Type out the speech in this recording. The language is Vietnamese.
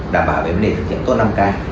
đảm bảo về vấn đề thực hiện tốt năm k